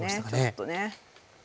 ちょっとね。